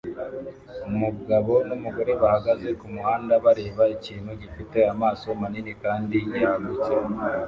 Umugabo numugore bahagaze kumuhanda bareba ikintu gifite amaso manini kandi yagutse